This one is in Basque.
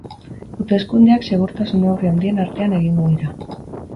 Hauteskundeak segurtasun neurri handien artean egingo dira.